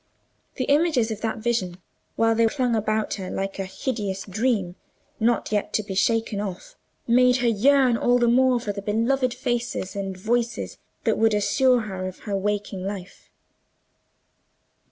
The images of that vision, while they clung about her like a hideous dream not yet to be shaken off, made her yearn all the more for the beloved faces and voices that would assure her of her waking life.